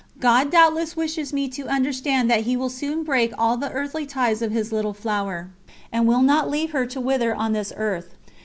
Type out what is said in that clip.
God doubtless wishes me to understand that He will soon break all the earthly ties of His Little Flower and will not leave her to wither on this earth.